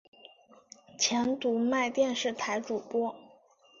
前读卖电视台主播。